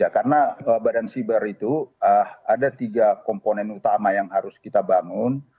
karena badan siber itu ada tiga komponen utama yang harus kita bangun